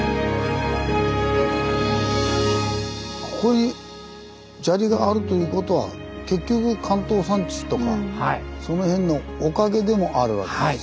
ここに砂利があるということは結局関東山地とかその辺のおかげでもあるわけですよね。